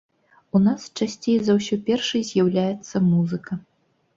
У нас часцей за ўсё першай з'яўляецца музыка.